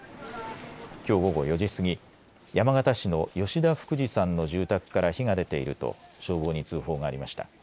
きょう午後４時過ぎ山形市の吉田福治さんの住宅から火が出ていると消防に通報がありました。